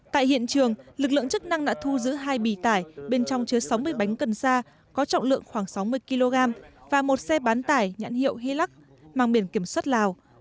tại hiện trường lực lượng chức năng đã thu giữ hai bì tải bên trong chứa sáu mươi bánh cần sa có trọng lượng khoảng sáu mươi kg và một xe bán tải nhãn hiệu hilk mang biển kiểm soát lào